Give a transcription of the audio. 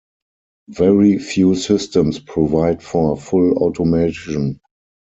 Very few systems provide for full automation.